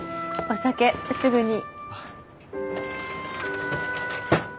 お酒すぐに。